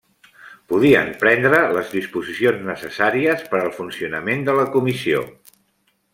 Podien prendre les disposicions necessàries per al funcionament de la Comissió.